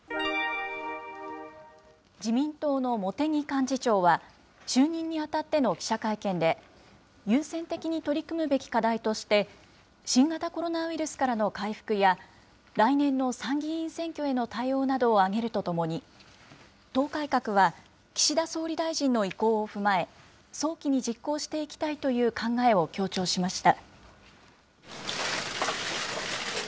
自民党の茂木幹事長は、就任にあたっての記者会見で、優先的に取り組むべき課題として、新型コロナウイルスからの回復や、来年の参議院選挙への対応などを挙げるとともに、党改革は岸田総理大臣の意向を踏まえ、早期に実行していきたいという考えを強調しました。